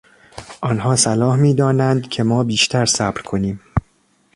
آنها صلاح میدانند که ما بیشتر صبر کنیم.